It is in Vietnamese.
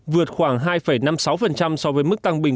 vượt khoảng hai năm mươi sáu so với mức tăng bình